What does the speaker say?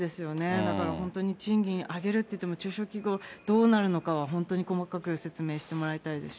だから本当に賃金上げるっていっても、中小企業どうなるのかは、本当に細かく説明してもらいたいですしね。